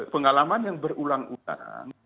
pengalaman yang berulang ulang